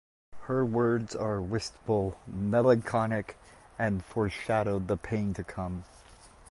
Her words are wistful, melancholic and foreshadowed the pain to come.